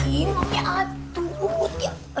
ini di atut ya